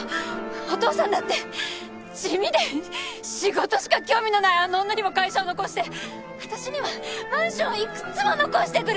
お父さんだって地味で仕事しか興味のないあの女には会社を残して私にはマンションいくつも残してくれた。